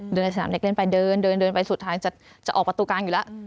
เดินทางสนามเด็กเล่นไปเดินสุดท้ายจะออกประตูกลางอยู่แล้ว